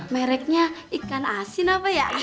mereknya ikan asin apa ya